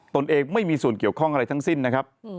ตนเองไม่มีส่วนเกี่ยวข้องอะไรทั้งสิ้นนะครับ